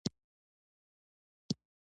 د سفر خوند پر مصارفو کولو کې دی.